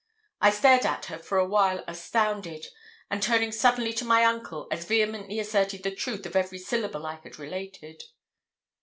I stared at her for a while astounded, and turning suddenly to my uncle, as vehemently asserted the truth of every syllable I had related.